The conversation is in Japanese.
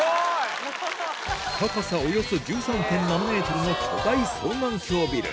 高さおよそ１３．７ｍの巨大双眼鏡ビル